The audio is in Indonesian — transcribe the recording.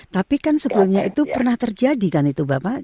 tapi kan sebelumnya itu pernah terjadi kan itu bapak